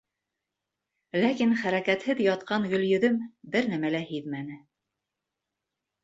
Ләкин хәрәкәтһеҙ ятҡан Гөлйөҙөм бер нәмә лә һиҙмәне.